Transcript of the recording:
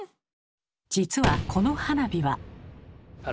実はこの花火は。